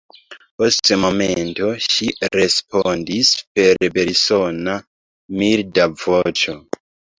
Post momento ŝi respondis per belsona, milda voĉo: